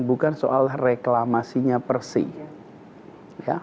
bukan soal reklamasinya persis